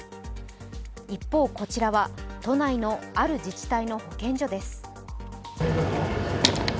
一方、こちらは都内のある自治体の保健所です。